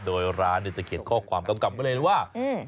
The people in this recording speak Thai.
โดยร้านเนี่ยจะเขียนข้อความกำกับไว้เลยว่า